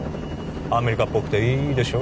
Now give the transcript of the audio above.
アメリカっぽくていいでしょ？